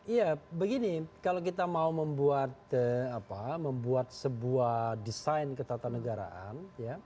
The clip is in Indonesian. iya begini kalau kita mau membuat apa membuat sebuah desain ketatangan